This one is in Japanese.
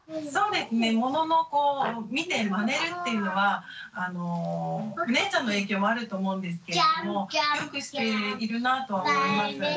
そうですねもののこう見てまねるっていうのはお姉ちゃんの影響もあると思うんですけれどもよくしているなぁとは思います。